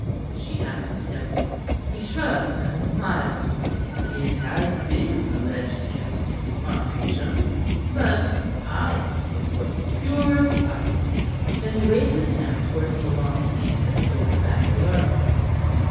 she asked him. He shrugged and smiled. "It has been alleged against me on occasion. But I think it was pure spite." Then he waved his hand towards the long seat that stood at the back of the arbor.